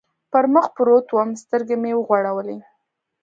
پر مخ پروت ووم، سترګې مې و غړولې.